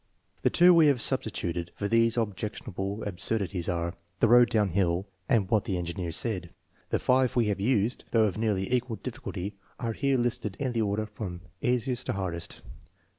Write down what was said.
The two we have substituted for these objectionable ab surdities are, " The road downhill " and " What the en gineer said." The five we have used, though of nearly equal difficulty, are here listed in the order from easiest to hard est.